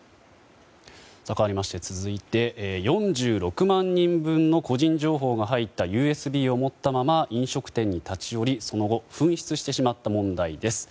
かわりまして続いて４６万人分の個人情報が入ったＵＳＢを持ったまま飲食店に立ち寄り、その後紛失してしまった問題です。